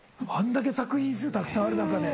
あんだけ作品数たくさんある中。